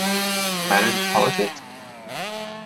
Matters of politics?